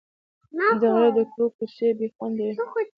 د غره د کورو کوڅې بې خونده وې.